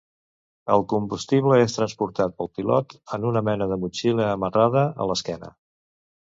El combustible és transportat pel pilot en una mena de motxilla amarrada a l'esquena.